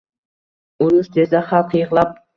Urush desa xalq yig‘lab